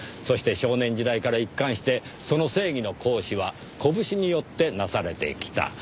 そして少年時代から一貫してその正義の行使は拳によってなされてきた。